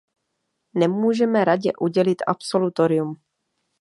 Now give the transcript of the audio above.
Nemůžeme Radě udělit absolutorium.